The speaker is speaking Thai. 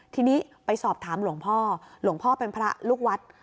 ทีนี้ไปสอบถามหลวงพ่อหลวงพ่อเป็นพระลูกวัด